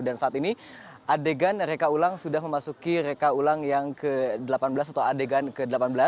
dan saat ini adegan reka ulang sudah memasuki reka ulang yang ke delapan belas atau adegan ke delapan belas